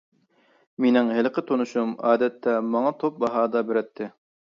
مېنىڭ ھېلىقى تونۇشۇم ئادەتتە ماڭا توپ باھادا بېرەتتى.